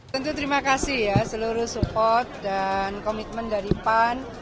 tentu terima kasih ya seluruh support dan komitmen dari pan